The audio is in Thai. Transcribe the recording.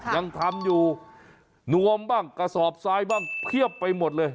ยังทำอยู่นวมบ้างกระสอบซ้ายบ้างเพียบไปหมดเลย